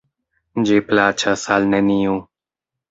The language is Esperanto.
Ĝi plaĉas al neniu.